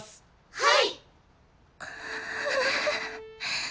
はい！